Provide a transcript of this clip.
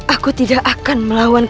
aku tidak akan melakukan ini